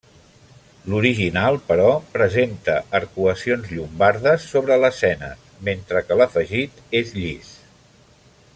L'original, però, presenta arcuacions llombardes sobre lesenes, mentre que l'afegit és llis.